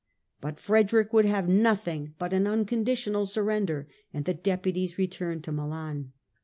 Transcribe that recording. But Frederick would have nothing but an unconditional surrender, and the deputies returned to Milan.